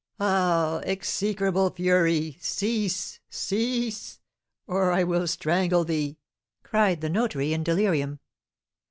Ah, execrable fury, cease, cease, or I will strangle thee!" cried the notary, in delirium.